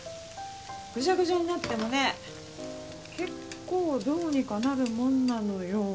ぐちゃぐちゃになってもね結構どうにかなるもんなのよ。